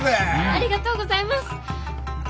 ありがとうございます！